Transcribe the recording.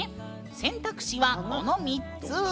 選択肢は、この３つ。